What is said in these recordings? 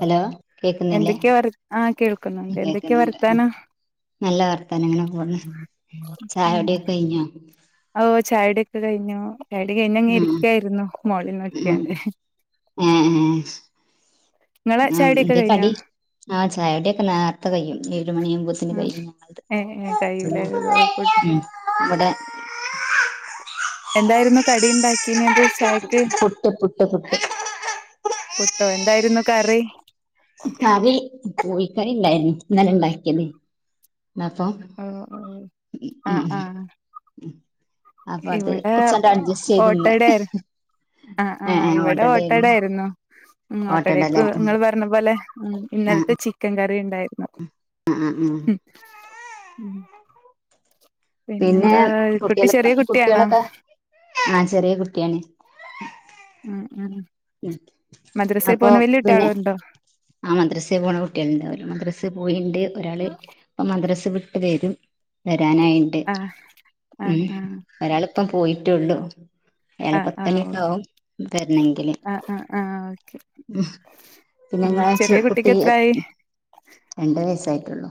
Hello കേക്കുന്നില്ലേ എന്തൊക്കെയാ വർ ആ കേൾക്കുന്നുണ്ട് എന്തൊക്കെയാ കേക്കുന്നുണ്ട് വർത്താനം നല്ല വർത്താനം ഇങ്ങനെ ചായോട്യൊക്കെ കഴിഞ്ഞോ ചായട്യൊക്കെ കഴിഞ്ഞു സ്ററഡി കഴിഞ്ഞങ്ങ് ഉം ഇരിക്ക്യായിരുന്നു മോളിൽ ഉം നോക്ക്യോണ്ട് ആ എന്തേക്കടി ആ ചായട്യൊക്കെ നേർത്തെ കഴിഞ്ഞ് ഉം ഒരു മണിയാവുമ്പോത്തേന് ഉം കൈയും ഏ ഏ ഞങ്ങ കഴിയൂലേ ഇവിടെ എന്തായിരുന്നു കടിയിണ്ടാക്കി ത് ചായക്ക് പുട്ട് പുട്ട് പുട്ട് പുട്ടോ എന്തായിരുന്നു കറി കറി കോഴിക്കറി ഇണ്ടായിനി ഇന്നല ഇണ്ടാക്കിയത് മാപ്പം ഓ ഓ ആ ഉ ആ ഇവിടെ ചെയ്ത് ഇന്ന് ഓട്ടടയിരുന്നു ആ ആ ഏ ഏ ഇവിടെ ഓട്ടട ഓട്ടടേര്ന്നു ആരുന്നു ഉ ഓട്ടടല്ലേ ഓട്ടടക്ക് നിങ്ങൾ പറഞ്ഞ പോലെ ഇന്നലത്തെ ചിക്കൻ ക റി ഉണ്ടായിരുന്നു ഉം ഉം ഉം പിന്നെ പിന്നെന്താ കുട്ടി കുട്ടികളൊ ചെറിയ കുട്ടിയാണോ കുട്ടികളൊക്കെ ആ ചെറിയ കുട്ടിയാണ് ഉം ഉം ഉം മദ്രസയിൽ അപ്പൊ പോകുന്ന വലിയ പിന്നെ കുട്ടികളുണ്ടോ ആ മദ്രസ്സയിൽ പോണ കുട്ടികളുണ്ട് ഓര് മദ്രസയിൽ പോയിണ്ട് ഒരാള് മദ്രസ വിട്ട് വരും വരാനായിണ്ട് ആഹ് ഉം ആഹ് ആഹ് ഒരാൾ ഇപ്പം പോയിട്ടുള്ളു ആഹ് ആ ഓ ആ ആ ആഹ് ഓക്കെ ഉ പിന്നെ ഉം നിങ്ങള ചെറിയ കുട്ടിക്ക് കുട്ടി എത്രായി രണ്ട വയസായിട്ടുള്ളു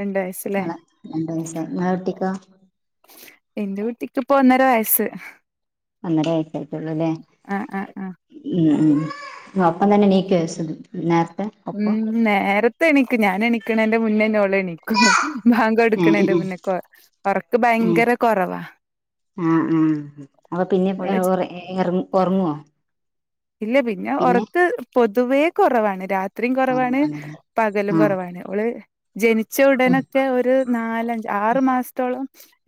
രണ്ട് വയസ്സല്ലേ നിങ്ങളെ രണ്ട വയസായി നിങ്ങളെ കുട്ടിക്കോ എന്റെ കുട്ടിക്ക് ഇപ്പൊ ഒന്നര വയസ്സ് അന്നരേ ആ ആയിട്ടുള്ളൂലേ ആഹ് ആഹ് ആഹ് ഉം ഉം അപ്പം തന്നെ എണീക്കോ ഉം നേരത്തെ എണീക്കും ഞാൻ എണീക്ക ണേന്റെ മുന്നേ എന്നോട് എണീക്കും മാങ്ക് ഉം എടുക്കണന്റെ ഉം പിന്നെ ഒറക്കം ഉം ഭയങ്കര കൊറവാ ആഹ് ആഹ് അപ്പൊ പിന്നെ ഉറങ്ങുവോ ഇല്ല പിന്നെ ഉറക്ക് പൊ പൊതുവേ കുറവാണ് രാത്രി രാത്രിയും കുറവാണ് ഉറങ്ങാനില്ല പകലും ആഹ് കുറവാണ് ഓള് ജനിച്ച ഉടനൊക്കെ ഒരു നാലഞ്ച് ആറു മാസത്തോളം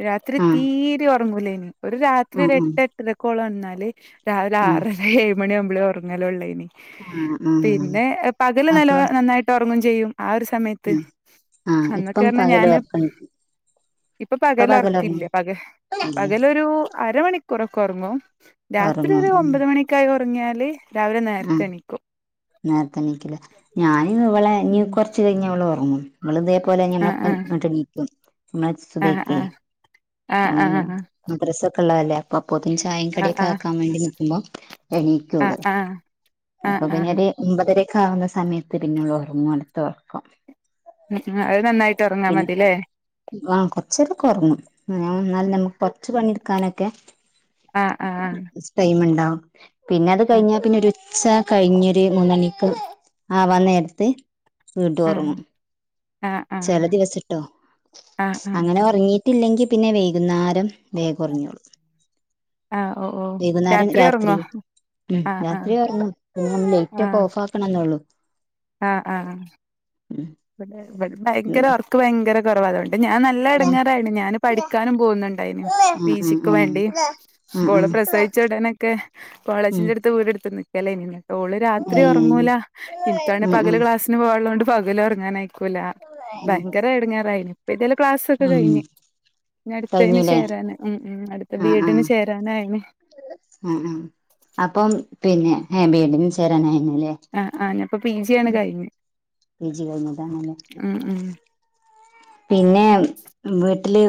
രാത്രി ആഹ് തീരെ ഉറങ്ങൂലായി ഒരു രാത്രി ആഹ് ഒരു ആഹ് എട്ട് എട്ടര ഓളൊണന്ന ണന്നാല് രാവിലെ ആറര ഏ മണി ആകുമ്പളെ ഒറങ്ങലൊള്ളേയ്നി ആഹ് ആഹ് ആഹ് പിന്നെ പകല് നല്ല അപ്പൊ നന്നായിട്ട് ഒറ തുടങ്ങും ചെയ്യും ആ ഒരു സമയത്ത് ഉം ആഹ് അന്നൊക്കേ ഇപ്പം പറഞ്ഞാ പകല് ഞാന് ഉറക്ക ഇപ്പൊ ഇപ്പൊ പകല് പകലുറങ്ങും ഒറക്കില്ല പക ഇല്ലേ പകലൊരു അര മണിക്കൂറൊക്കെ ഒർങ്ങും രാത്രി ഒരു ഒമ്പത് മണിക്കായാ ഒ കുഞ്ഞാലി ആ നേരത്തെ നീക്കല് ഞാനി ഇവളെ ഞ്ഞി ഉം കൊർച്ച് കഴിഞ്ഞേ ഒള്ള് ഒർങ്ങും മ്മളിതേ പോലെ ആഹ് ഞമ്മളപ്പ ങ്ങട്ട് നീക്കും മ്മാര് ആഹ് സുബഹിക്കേയ് ആഹ് ആഹ് ആ ആഹ് ഉം ആഹ് മദ്രസ ള്ളതല്ലേ അപ്പം അപ്പോത്തിന് ചായയും കടിയൊക്കെ ആഹ് ആക്കാൻ വേണ്ടി നന്ന് [unintelligible] ആഹ് എണീക്കോള് ആഹ് ആഹ് ആഹ് അപ്പൊ പിന്നെ ആഹ് രു ഒമ്പതര [unintelligible] സമയത്ത് പിന്നെയുള്ള ഒർങ്ങോള് തൊർക്കും ഉം അത് നന്നായി പിന്ന ആ കൊർച്ചേരൊക്കെ ഒർങ്ങും ഉം ന്നാല് നമുക്ക് കൊർച്ച് പണിട്ക്കാനൊക്കെ ആ ആ ആ പിന്നെ അത് കഴിഞ്ഞാൽ പിന്നെ ഒരു ഉച്ച കഴിഞ്ഞൊരു മൂന്നണി ആ ആ വന്നേട്ത്ത് വീണ്ടും ആഹ് ഒറങ്ങും ആഹ് ആഹ് ചില ദിവസംട്ടോ ആഹ് ആഹ് അങ്ങനെ ഉറങ്ങിട്ട് ട്ടില്ലെങ്കിൽ പിന്നെ വൈകുന്നാരം രം വേഗം ഒർങ്ങി ഓള് ആഹ് ഓ ഓ വൈകുന്നേരം രാത്രി ഉറങ്ങോ ഉം ആഹ് ആഹ് രാത്രി ഒർങ്ങും ലേറ്റ് ഒക്കെ ഓഫ് ആക്കണംന്നൊള്ളു ആഹ് ആഹ് ആഹ് ഉം വടെ വട്ണ്ടായി ഉം ൻക്കൊരൊർക്ക് വയങ്കര കൊറവാ അതോ ണ്ട് ഞാ നല്ല ഉം ഉം ഇടങ്ങാറായീണ് ഞാന് പഠിക്കാനും പോകുന്നുണ്ടായിനു ഉം പി ഉം ഉം ഉം ജി ക്ക് വേണ്ടി ഉം ഉം അപ്പോള ഉം പ്രസവിച്ച ഉടനൊക്കെ കോളേജിന്റെ അടുത്ത് വീട് ട്ത്ത്ന്ന് ക്കലേനിന്ന് ഓള് രാത്രി ഒറങ്ങൂല. ഇൻ ന്നെ പകല് ക്ലാസിന് പോവാള്ളോണ്ട് പകല് ഒർങ്ങാനയി ക്കൂലാ. ഉം ഭയങ്കര എടങ്ങാറായിന് ഇപ്പ ഏത്യാലും ക്ലാസ് ഒക്കെ ഉം കഴിഞ്ഞ്. ഇഞ്ഞട്ത്തേന് കഴിഞ്ഞുല്ലേ ചേരാന് ഉം ഉം അടുത്ത ബി ആഹ് ആഹ് എഡിന് ചേരാനായിന്. ഉം ഉം അപ്പം പിന്നെ ബി എഡ് ന് ചേരൻായി ആഹ് ആ പി ജി കഴിഞ്ഞതണല്ലേ ഉം ഉം പിന്നെ വീ വ വീട്ടില്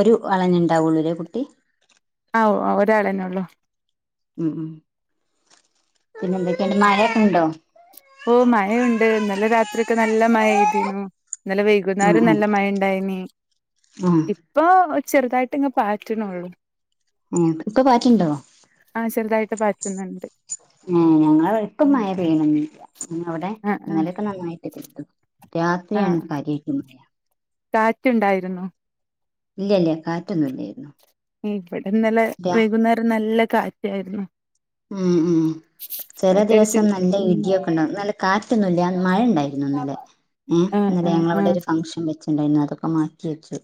ഒരു അളഞ്ഞുണ്ടാവുള്ളൂരേ കുട്ടി ആ ഒരാളന്നെ ഉള്ളു മം ഉം പിന്നെ എന്തൊക്കെന്റെ മഴയൊക്കെ ഉണ്ടോ ഇപ്പം മഴുണ്ട് ഇന്നലെ രാത്രിഒക്കെ നല്ല മഴ പെയ്തിനു ഇനലെ ഉം വൈകുന്നേരം ഉം നല്ല മഴ ഉണ്ടായിനി ആഹ് ഇപ്പൊ ചെറുതായിട്ട് ഇങ് പാറ്റ്ണെള്ളു ഏഇപ്പൊ പറ്റുണ്ടോ ആഹ് ചെറുതായിട്ട് പാറ്റുന്നുണ്ട് ഏ ഞങ്ങളെ ഇവിടെ ഇപ്പം ഉം മയ പെയ്യ്ണില്ല അവിടെ ആഹ് ആഹ് ഇന്നലൊക്കെ നന്നായിട്ട് പെയ്തു രാത്രിയാണ് കാര്യായിട്ട് മഴ കാറ്റ് ഇണ്ടായിരുന്നോ? ഇല്ല ഇല്ല കാറ്റൊന്നുംല്ലായിരുന്നു ഉം ഇവിടെന്നല്ല വൈകുന്നേരം നല്ല കാറ്റ് ആയിരുന്നു ഉം ഉം ചില കാറ്റടിച്ച് ദിവസം നല്ല ഉം ഇടിയൊക്കെ ഉണ്ടും നല്ല കാറ്റൊന്നുംല്ല മഴ ഉണ്ടായിരുന്നു ഇന്നല്ലെ ഏ ആഹ് ഇന്നല്ലെ ആഹ് ഞങ്ങളവിടെ ആഹ് ഒരു ഫംഗഷൻ വെച്ച ഇണ്ടായിരുന്നു അതൊക്കെ മാറ്റി വെച്ചു.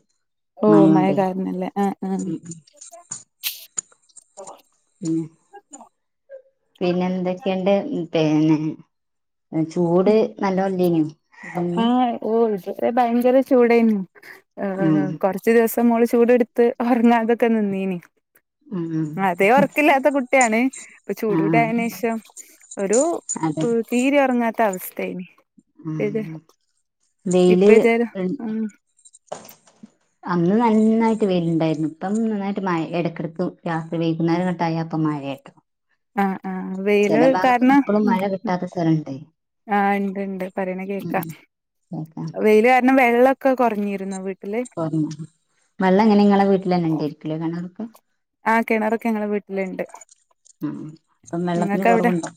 ഓ മഴ മഴോണ്ടേ കാരണല്ലേ ആഹ് ആഹ് ഉം [inaudible] [inaudible] പിന്നെ എന്തൊക്കെയണ്ട് പിന്നെ ചൂട് നല്ലോണ്ടയ്നോ ആഹ ഓ ഭയങ്കര ചുടെന്നു ഉം ഹ് കുറച്ച് ദിവസം ഇ മോള് ചൂടെടുത്തു ഉറങ്ങാതൊക്കെ നിന്നീന് ഉം അതേ ഉറക്കില്ലാത്ത കുട്ടിയാണ് ഇപ്പൊ ആഹ് ചൂടടായന്േഷം ഒരു തീരി ഉറങ്ങാത്ത ത്ത അവസ്ഥേ ഉംമ് വെയില് ഇപ്പ ഇതൊരു മ് ഉം അന്ന് നന്നായിട്ട് വെയിലുണ്ടായിരുന്നു ഇപ്പം നന്നായിട്ട് മഴ ഇടയ്ക്കിടുത്തു രാത്രി വൈകുന്നേരം ങ്ങട്ട് ആയ അപ്പ മഴ കട്ടണം ആഹ ആ വെയിൽ കാരണം ഇപ്പോഴും മഴ കിട്ടാത്ത സ്ഥലമുണ്ട് ആ് ഉണ്ട് ഉണ്ട് പറയണ ഉം കേൾക്കാം കേക്കാം വെയിൽ കാരണം വെള്ളൊെ ഒക്കെ കുറഞ്ഞിരുന്നു വി കൊ വെള്ളം എങ്ങനെ നിങ്ങളെ വീട്ടിൽ തന്നെ ഉണ്ടായിരിക്കലോ കിണ ആ കിണറൊക്കെ ഞങ്ങളെ വീട്ടിലുണ്ട് ഉം അപ്പം വെള്ളത്തിന് നിങ്ങൾക്ക് അവിടെ കുറവുണ്ടോ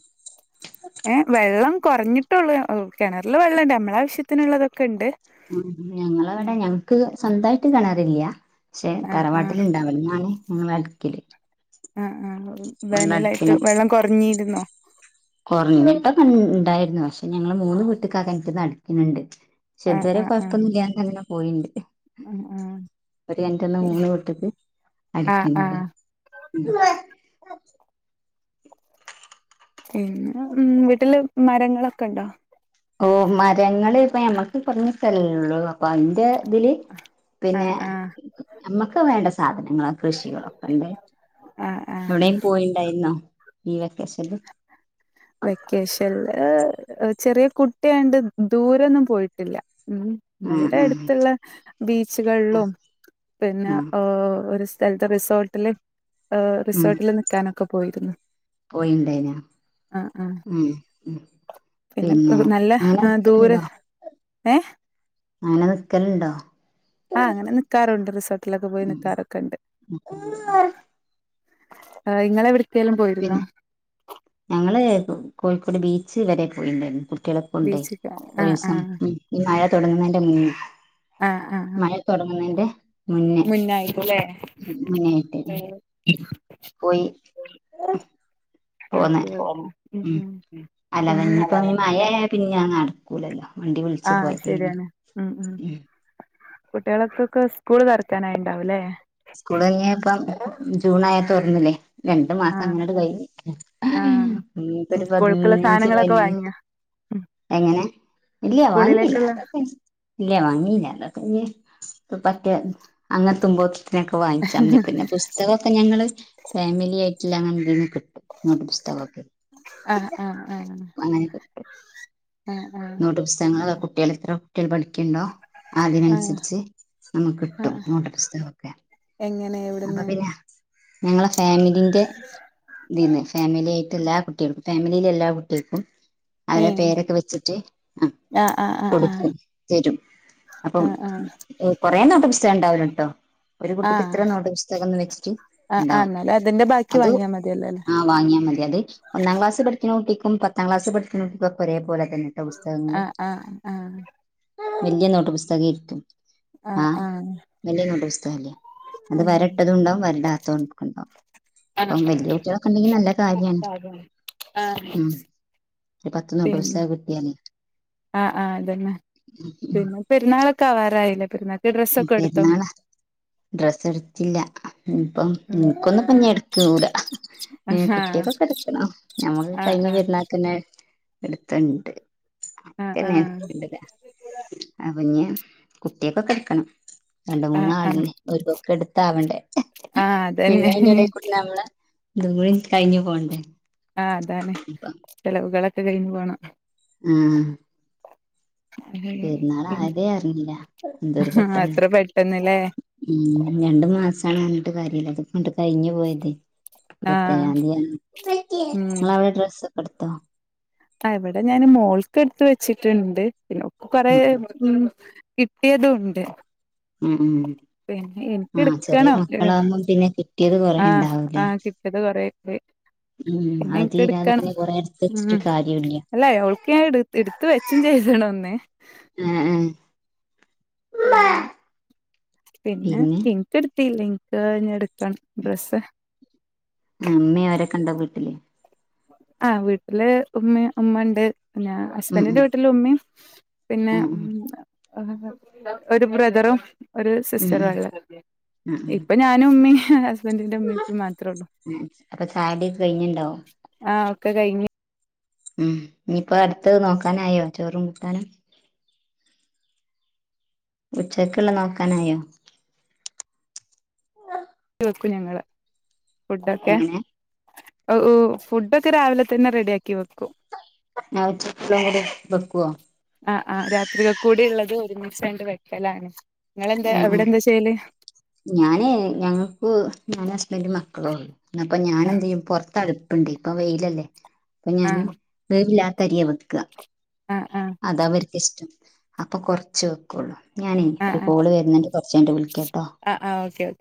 ഏ വെള്ളം കുറഞ്ഞിട്ട ട്ടുല്ല കിണറിൽ വെള്ളംണ്ട് അമ്മളാവശ്യത്തിനുള്ളതൊക്കെ ഉണ്ട് ആ ഞങ്ങള ഉം അവിടെ ഞങ്ങക്ക് സ്വന്തായിട്ട് കിണ റില്ല പക്ഷെ ആഹ് ആഹ് തറവാട്ടിലുണ്ടാവലെന്നാണ് നിങ്ങള് അടിക്കല് ആഹ് ആ വേനലായിട്ട് വെള്ളം കുറഞ്ഞിരുന്നോ കുറഞ്ഞിട്ടൊക്കെ ഉണ്ടായിരുന്നു പക്ഷെ ഞങ്ങള് മൂന്ന്ു വീട്ടക്ക കനക്ക്ന്ന്ിക്കുന്നുണ്ട് ശെ ഇത് ആഹ് വരെ ആഹ് ആഹ് കുറത്തൊന്നുമില്ല പോയിണ്ട് ആഹ് ഒരു കെണറ്റ്ന്ന് ആഹ് മൂന്ന് വീട്ടിക്ക് ആഹ് അടിക്ക്ണ്ട് ആഹ് [unintelligible] പിന്നെ ഉ വീട്ടില് മരങ്ങളൊക്കെ ഉണ്ടോ അപ്പൊ ഞമ്മക്ക് കുറഞ്ഞ സ്ഥലല്ലെള്ളൂ പന്റെ ഇതില് പിന്നെ ആഹ് ആഹ് നമ്മുക്ക് വേണ്ട സാധനം ഞങ്ങളെ കൃഷികളൊക്കെണ്ട് ആഹ് ആഹ് എവിടെയും പോയിണ്ടായിരുന്നോ ഈ വെക്കേഷനിൽ വെക്കേഷനൽ ചെറിയ കുട്ടിയണ്ട് ദൂരൊന്നും പോയിട്ടില്ല ഉ ഉം ഇവിടെ ഉം അടുത്തുള്ള ബീച്ചുകളിലും പിന്നെ ആഹ് ഒരു സ്ഥലത്തെ റിസോർട്ടില് ഉം റിസോർട്ടില് നിക്കാനൊക്കെ പോയിരുന്നു പോയിണ്ടായിനോ ആ ആ ഉം ഉം പിന്നെ നല്ല അങ്ങനെ ആ ദൂരെ നിക്കലുണ്ടോ ഏ അങ്ങനെ നിക്കലുണ്ടോ ആ അങ്ങനെ നിക്കാറുണ്ട് റിസോർട്ടിലൊക്കെ പോയി ഉം നിക്കാറൊക്കെ ഉണ്ട് ആ് ഇങ്ങളെ എവിടെ പിന്നെ ഞങ്ങള് കോഴിക്കോട് ബീച്ച് വരെ പോയിണ്ടായിരുന്നു എളപ്പുണ്ട് ബീച്ച്ക്ക് ഒരു ആഹ് ദിവസം ആഹ് മ തുടങ്ങുന്നതിന്റെ മുന്നേ ആഹ് ആഹ് മഴ തുടങ്ങുന്നന്റെ മുന്നേ മുന്നായിട്ട്ല്ലേ മുന്നായിട്ട് ഓക്കെ പോയി പോന്ന ഓക്കെ ഉം ഉ ഉം അല്ലത പിന്നെ ഇനിപ്പോ മഴായ പിന്ന ഞാൻ കൂലല്ല വണ്ടി വിളിച്ചു ആഹ് പോയി തീന് ഉ കുട്ടികളൾക്കൊക്കെ സ്കൂൾ തറക്കാനായിുണ്ടാവുംല്ലേ സ്കൂള് ഇപ്പം ജൂൺ ആയൽ തുറന്നല്ലേ രണ്ടു മാസം ആഹ് അങ്ങനെട്ട് ആഹ് കയ്ഞ് ആഹ് ഇപ്പൊ ഒരു സ്കൂൾക്കുള്ള പതിനഞ്ച് പ സാധനങ്ങളൊക്കെ വാങ്ങിയോ എങ്ങനെ ഇല്ല വാങ്ങില്ല സ്കൂളിലേക്കുള്ള അതൊക്കെ ഇല്ല വാങ്ങില്ല അതൊക്കെ ഇല്ല പറ്റ അങ്ങന തുമ്പോ അൊക്കെ വാങ്ങിച്ചാൽ മ പിന്നെ പുസ്തകമൊക്കെ ഞങ്ങള് ഫാമിലി ആയിട്ടില്ലങ്ങെ കിട്ട നോട്ട് പുസ്തകൊക്കെ ആഹ് ആഹ് ആഹ് അങ്ങനെ കട്ട ആഹ് ആഹ് നൂട്ട പുസ്തകങ്ങൾ കുട്ടികൾ എത്ര കുട്ടിയാ ണ്ടോ ആഹ് അതിനനുസരിച്ച് നമുക്ക് കിട്ടും ആഹ് നട്ട പുുസ്തകൊക്കെ എങ്ങനെ അപ്പൊ എവിടുന്ന് പിന്നെ ഞങ്ങളെ ഫാമിലിന്റെ ഇതിന്ന് ഫാമിലി ആായിട്ട് എല്ലാ കുട്ടികൾക്കും ഫാമിലിയിലെ എല്ലാ കുട്ടികക്കും അവരുടെ ഏഹ് പേരൊക്കെ വെച്ചിട്ട ആ ആഹ് ആഹ് ആഹ് കൊടുക്കും തരും അപ്പം ആഹ് ആഹ് കൊറെേ നോട്ടപുസ്തകം ഉണ്ടാവല കേട്ടോ ഒരു ആഹ് ആഹ് കുട്ടിക്ക് ഇത്ര ആഹ് നോട്ടപുസ്തകംന്ന് വെച്ചിട്ട് ആഹ് ഉണ്ടാവും എന്നാലും അതിന്റെ ബാക്കി അത് വാങ്ങിയാ മതിയല്ലോ അല്ലേ ആ വാങ്ങിയാൽ മതി അത് ഒന്നാം ക്ലാസ് പഠിക്ക ട്ടിക്കും പത്താംക്ളാസ് പഠിക്കണ് കുട്ടിക്കും ഒരേ പോലെ തന്നെ കേട്ടോ പുസ്തകങ്ങള് ആഹ് ആഹ് ആഹ് വലിയ നോട്ടുപുസ്തകം ഇരിക്കും. ആ ആഹ് ആഹ് മെല്ലങ്ങോട്ട [unintelligible] അത് ഉം വരട്ടതും ഉണ്ടാവും വരടാത്തതു ണ്ടാവും ആഹ് അപ്പം വെല്ല്യകുട്ടികള്ക്കെണ്ടെങ്കി നല്ല കാര്യആണ്. ഉം ഒരു പത്ത്‌ നൂറ് ദിവസവ് ആ ആ അതെന്നെ പിന്നെ പെരുന്നാള്. കവാറായില്ലേ മ് പെരുന്നാളാ ഡ്രസ്സ് എടുത്തില്ല മ് ഇപ്പം ഉം നിനക്കൊന്ന് പ ഞ്ഞ്എടു [unintelligible] ഏ ആഹ് കുട്ടിയൊക്കെക്കെ കിടക്കണു ഞമ്മക്ക് ആഹ് കഴിഞ്ഞ ആഹ് പെരുന്നാൾക്ക് തന്നെ എടുത്തണ്ട് ആഹ് പിന്നെ ആഹ് ഉണ്ടാലോ ആ കുഞ്ഞേ. കുട്ടിയൊക്കെ ക ക രണ്ട് ആഹ് ആഹ് മൂന്നാളില്ലേ ഒരു കൊക്കെ എടുത്താവേണ്ടേ ആഹ് പിന്നെ അതന്നെ അതിനിടയിൽ കൂടെ നമ്മള്. ഇതുകൂടി കഴിഞ്ഞു പോവണ്ടേ. ആഹ് അതന്നെ. [unintelligible] ഇത് കഴിഞ്ഞ് പോണം. ഉം പെരുന്നാൾ ആഹ് ആയതേ അറിഞ്ഞില്ല എന്തൊരു പെട്ടെന്ന് അത്ര പെട്ടെന്ന്ല്ലേ ഉം രണ്ടു മാസമാണ്. ട്ട് കാര്യമില്ല അതും. ഉണ്ട് കഴിഞ്ഞുപോയത് ആഹ് ഇരുപത്തിയേഴ് തീയതിയാണ്, ഉം ഇങ്ങള് അവിടെ ഡ്രസ്സ്. അടുത്തോ. ഇവിടെ ഞാന് മോൾക്കെടുത്ത് വെച്ചിട്ടുണ്ട്. പിന്നെ കൊറേ ഉം ഉം. കിട്ടിയതു ഉണ്ട് ഉം ഉം പിന്നെ എനിക്ക് ആഹ് ചെറിയ എടുക്കണം ഏഹ് മക്കളാകുമ്പോ പിന്നെ കിട്ടിയത് കൊറേ ആ ആ ഉണ്ടാവൂലേ കിട്ടിയത് കൊറേണ്ട് ഉം പിന്നെ അത് എനിക്ക് തീരാതെ എടുക്കണം പിന്നെ കൊറേ എടുത്ത് മ്മ് വെച്ചിട്ട് കാര്യമില്ല അല്ലെ ഓൾക്ക് ഞാൻ എട് എടുത്ത് വെച്ചു ചെയ്യണേന്ന് വന്നേ. മ്മ് മ്മ് പിന്നെ എനിക്കയെടു പിന്നെ എനിക്കയെടുക്കണം ഡ്രസ്സ്. അമ്മ അവരെ കണ്ടാൽ വിടില്ലേ. ആഹ് വീട്ടില് ഉമ്മി അമ്മ ഉണ്ട്. പിന്നെ ഉം ഹസ്ബൻഡിന്റെ ഉം വീട്ടില ഉമ്മയും പിന്നെ ഉം ഉം ആ ഒരു ബ്രദറും ഒരു ഉം ഉം സിസ്റ്ററാള്ള ഉം ഉം ഇപ്പൊ ഞാനും ഉമ്മിയും [unintelligible] അപ്പൊ ചായ്ടിയക്കെ കഴിഞ്ണ്ടോ ആ ഒക്കെ കഴിഞ് ഉം നിപ്പോ അടുത്തത് നോക്കാനായോ ചോറും കൂട്ടാനും ഉച്ചക്കുള്ള നോക്കാനായോ ട്ടു വക്കും ഞങ്ങള് ഫുഡ്ഡക്കെ എങ്ങനെ അ ഫുഡൊക്കെ രാവിലെ തന്നെ റെഡി ആക്കി വെക്കും [unintelligible] ബക്കുവ ആ ആ രാത്രികക്കൂടിള്ളത് ഒരുമിചങ്ങ്ട് വെക്കലാണ് നിങ്ങളെന്താ ഉം ഉം അവിടെ എന്താ ചെയ്യല് ഞാനെ ഞങ്ങക്ക് ന്തെല് മക്കളോ അപ്പ ഞാനെന്തയ്യും പൊറത്ത് അടു ണ്ട് ഇപ്പ വെയിലല്ലേ അപ്പൊ ഞാന് ആഹ് പേരില്ല രിയാ വക്കുക ആഹ് ആഹ് അതവര് ഇഷ്ടം അപ്പൊ കൊറച്ച് വെക്കുള്ളൂ ഞനെ ആഹ് ഒരു ആഹ് കോള് വരുന്നുണ്ട് കുറച്ച യ്ഞ്ഞ്ട്ട് വിളിക്കാട്ടോ ആഹ് ആഹ് ഓക്കെ ഓക്കെ